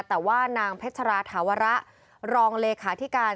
แต่ว่านางเพชรราธาวระรองเลขาธิการ